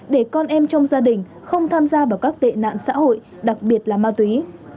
để con em trong gia đình không tham gia vào các tệ nạn xã hội đặc biệt là ma túy